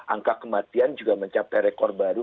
angka kematian juga mencapai rekor baru